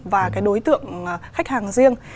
và cái đối tượng khách hàng riêng